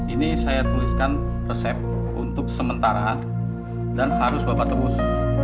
ini saya tuliskan resep untuk sementara dan harus bapak tebus